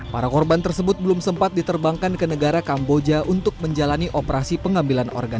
para korban tersebut belum sempat diterbangkan ke negara kamboja untuk menjalani operasi pengambilan organ